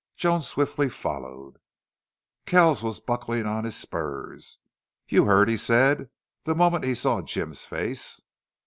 Joan swiftly followed. Kells was buckling on his spurs. "You heard?" he said, the moment he saw Jim's face.